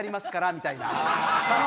みたいな。